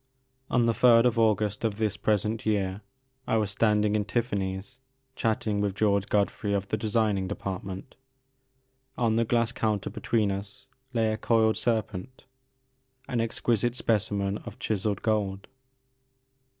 On the third of August of this present year I was standing in Tiffany's, chatting with George Godfrey of the designing department. On the glass counter between us lay a coiled serpent, an exquisite specimen of chiselled gold.